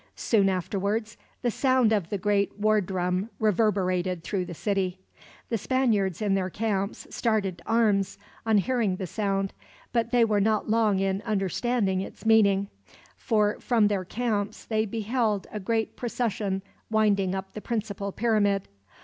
Soon afterwards, the sound of the great war drum reverberated through the city. The Spaniards in their camps started to arms, on hearing the sound; but they were not long in understanding its meaning, for from their camps they beheld a great procession winding up the principal pyramid.